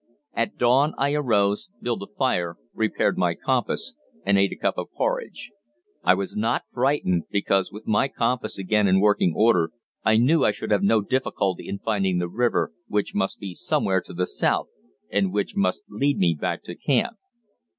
At dawn I arose, built a fire, repaired my compass, and ate a cup of porridge. I was not frightened, because with my compass again in working order I knew I should have no difficulty in finding the river, which must be somewhere to the south and which must lead me back to camp.